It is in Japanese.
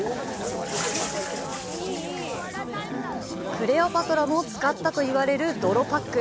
クレオパトラも使ったと言われる泥パック。